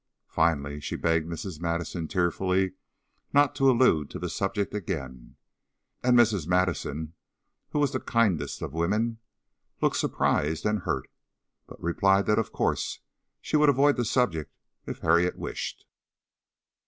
Finally she begged Mrs. Madison, tearfully, not to allude to the subject again, and Mrs. Madison, who was the kindest of women, looked surprised and hurt, but replied that of course she would avoid the subject if Harriet wished.